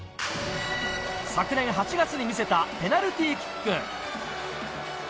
昨年８月に見せたペナルティーキック。